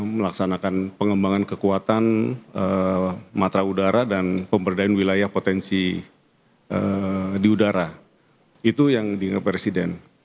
melaksanakan pengembangan kekuatan matra udara dan pemberdayaan wilayah potensi di udara itu yang diingat presiden